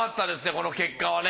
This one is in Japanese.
この結果はね。